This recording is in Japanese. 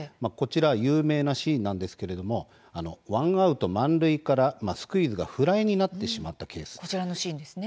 こちら有名なシーンなんですけれどもワンアウト満塁からスクイズがフライになってしまったケース。